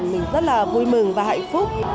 mình rất là vui mừng và hạnh phúc